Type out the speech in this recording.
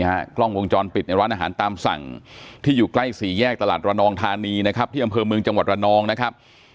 กล้องวงจรปิดในร้านอาหารตามสั่งที่อยู่ใกล้สี่แยกตลาดระนองธานีนะครับที่อำเภอเมืองจังหวัดระนองนะครับ